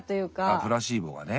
あっプラシーボがね。